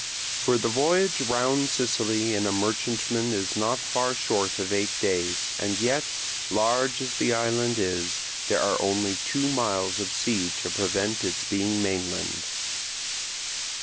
For the voyage round Sicily in a merchantman is not far short of eight days; and yet, large as the island is, there are only two miles of sea to prevent its being mainland.